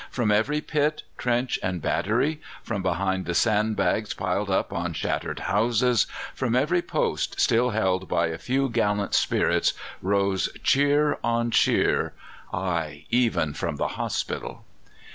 From every pit, trench and battery, from behind the sand bags piled up on shattered houses, from every post still held by a few gallant spirits, rose cheer on cheer aye, even from the hospital.